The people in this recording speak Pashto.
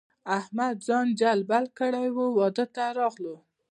احمد ځان جلبل کړی وو؛ واده ته راغی.